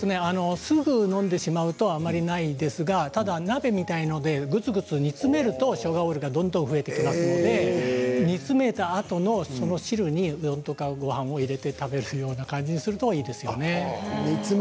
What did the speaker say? すぐ飲んでしまうとあまりないんですが、鍋みたいのでぐつぐつ煮詰めるとショウガオールがどんどん増えてきますので煮詰めたあとの汁にごはんを入れて食べるような感じにするといいんですよね。